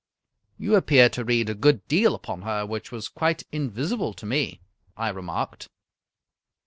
" You appeared to read a good deal upon her which was quite invisible to me," I remarked.